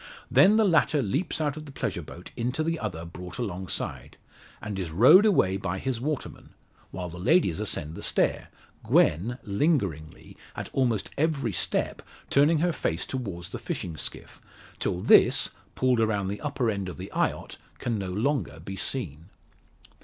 Then the latter leaps out of the pleasure boat into the other brought alongside, and is rowed away by his waterman; while the ladies ascend the stair Gwen, lingeringly, at almost every step, turning her face towards the fishing skiff, till this, pulled around the upper end of the eyot, can no more be seen.